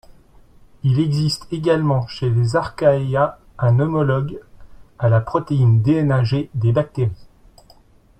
Il existe également chez les Archaea un homologue à la protéine DnaG des bactéries.